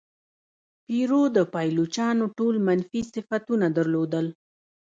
پیرو د پایلوچانو ټول منفي صفتونه درلودل.